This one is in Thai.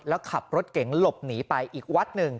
แล้วขับรถเก๋งหลบหนีไปอีกวัดหนึ่ง